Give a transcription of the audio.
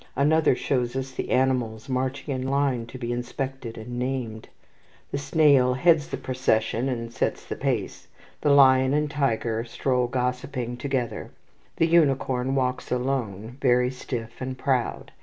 Another shows us the animals marching in line to be inspected and named. The snail heads the procession and sets the pace. The lion and the tiger stroll gossiping together. The unicorn walks alone, very stiff and proud.